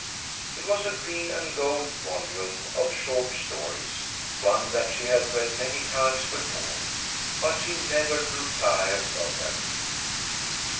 It was a green and gold volume of short stories, one that she had read many times before, but she never grew tired of them.